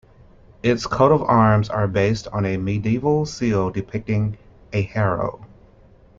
Its coat of arms are based on a medieval seal depicting a harrow.